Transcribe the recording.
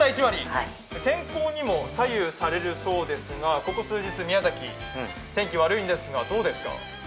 天候にも左右されるそうですが、ここ数日は天気が悪いですがどうですか？